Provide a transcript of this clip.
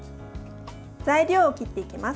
材料を切っていきます。